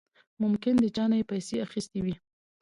ممکن د چانه يې پيسې اخېستې وي.